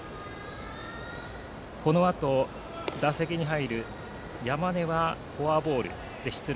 このあと打席に入る山根はフォアボールで出塁。